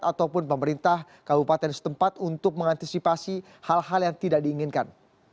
ataupun pemerintah kabupaten setempat untuk mengantisipasi hal hal yang tidak diinginkan